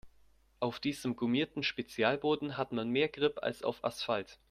Auf diesem gummierten Spezialboden hat man mehr Grip als auf Asphalt.